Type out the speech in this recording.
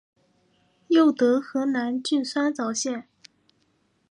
又得河南郡酸枣县。